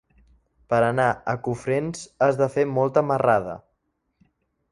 Per anar a Cofrents has de fer molta marrada.